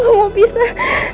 aku gak mau pisah